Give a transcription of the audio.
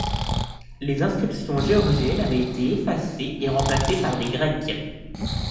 Les inscriptions géorgiennes avaient été effacées et remplacées par des grecques.